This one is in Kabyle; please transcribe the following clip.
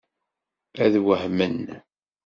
Ad wehmen.